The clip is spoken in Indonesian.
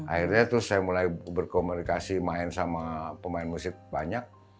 akhirnya terus saya mulai berkomunikasi main sama pemain musik banyak